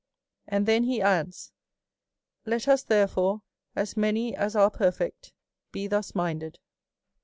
And then he adds, " Let us, therefore, as many as are perfect, be thus minded."